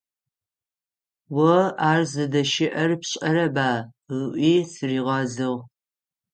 «О ар здэщыӀэр пшӀэрэба?» - ыӏуи сыригъэзыгъ.